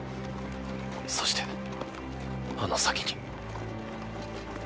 そしてあの先に。